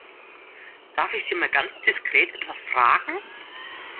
Darf ich Sie mal ganz diskret etwas fragen?